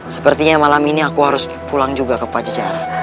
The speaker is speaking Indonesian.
sepertinya malam ini aku harus pulang juga ke pajajaran